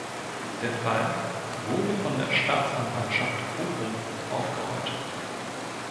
Der Fall wurde von der Staatsanwaltschaft Bochum aufgerollt.